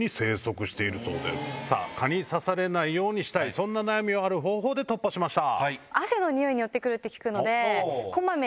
そんな悩みをある方法で突破しました。